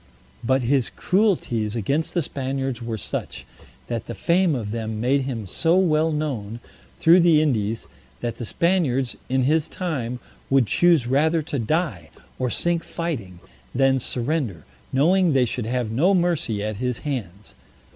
But his cruelties against the Spaniards were such, that the fame of them made him so well known through the Indies, that the Spaniards, in his time, would choose rather to die, or sink fighting, than surrender, knowing they should have no mercy at his hands.